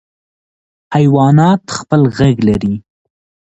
حیوانات خپل غږ لري.